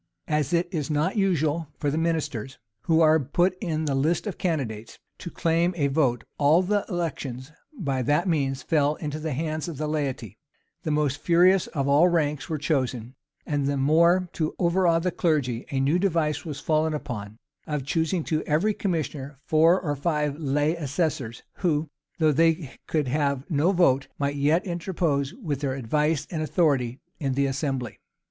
As it is not usual for the ministers, who are put in the list of candidates, to claim a vote, all the elections by that means fell into the hands of the laity: the most furious of all ranks were chosen: and the more to overawe the clergy, a new device was fallen upon, of choosing to every commissioner four or five lay assessors, who, though they could have no vote, might yet interpose with their advice and authority in the assembly.